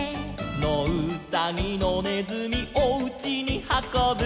「のうさぎのねずみおうちにはこぶ」